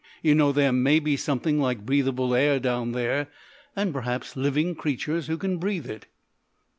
You know there may be something like breathable air down there, and perhaps living creatures who can breathe it."